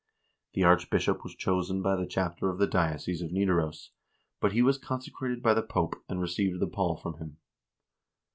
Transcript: The archbishop was chosen by the chapter of the diocese of Nidaros, but he was consecrated by the Pope, and received the pall from him.